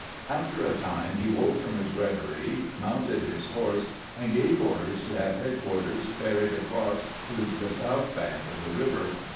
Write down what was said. After a time he woke from his reverie, mounted his horse, and gave orders to have headquarters ferried across to the south bank of the river.